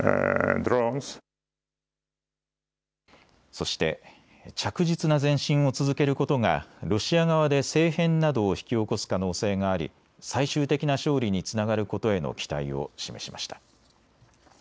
そして着実な前進を続けることがロシア側で政変などを引き起こす可能性があり最終的な勝利につながることへの期待を示しました。